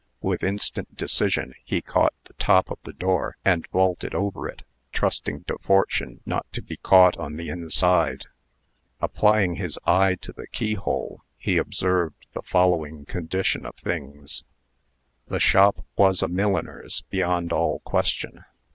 With instant decision, he caught the top of the door, and vaulted over it, trusting to fortune not to be caught on the inside. Applying his eye to the keyhole, he observed the following condition of things: The shop was a milliner's, beyond all question.